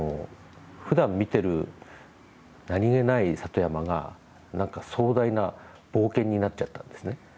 ふだん見ている何気ない里山がなんか壮大な冒険になっちゃったんですね。